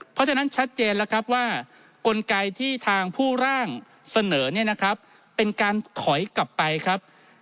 เพราะฉะนั้นชัดเจนแล้วครับว่ากลไกที่ทางผู้ร่างเสนอเนี่ยนะครับเป็นการถอยกลับไปครับ